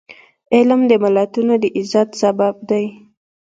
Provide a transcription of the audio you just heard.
علم د ملتونو د عزت سبب دی.